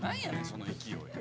その勢い。